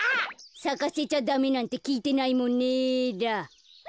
さかせちゃダメなんてきいてないもんねだ。